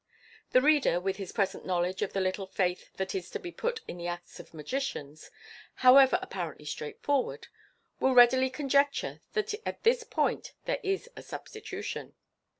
The reader, with his present knowledge of the little faith that is to be put in the acts of magicians, however apparently straightforward, will readily conjecture that at this point there is a substitution.